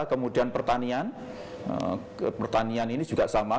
kemudian pertanian pertanian ini juga sama